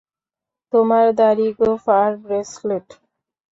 তোমার দাড়ি, গোঁফ আর ব্রেসলেট।